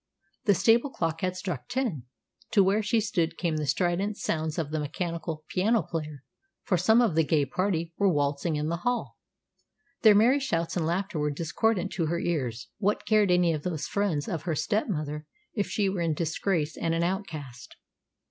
The stable clock had struck ten. To where she stood came the strident sounds of the mechanical piano player, for some of the gay party were waltzing in the hall. Their merry shouts and laughter were discordant to her ears. What cared any of those friends of her step mother if she were in disgrace and an outcast?